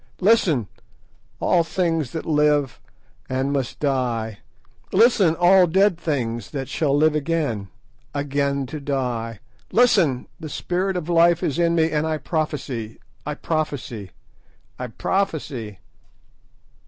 Listen, all things that live and must die! Listen, all dead things that shall live again—again to die! Listen, the spirit of life is in me and I prophesy. I prophesy! I prophesy!"